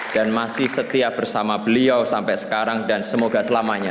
dan masih setia bersama beliau sampai sekarang dan semoga selamanya